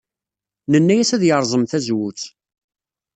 Nenna-as ad yerẓem tazewwut.